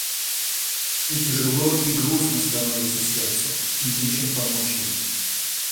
И тяжело и грустно становится сердцу, и нечем помочь ему.